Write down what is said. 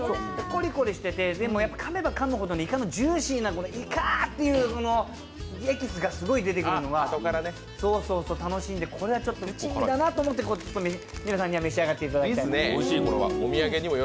コリコリしてて、かめばかむほどいかのジューシーないかっていうエキスがすごい出てくるのが楽しいんでこれはちょっと、珍味だなと思って召し上がっていただきたい。